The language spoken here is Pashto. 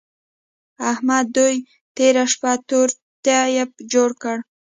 احمد دوی تېره شپه تور تيپ جوړ کړ.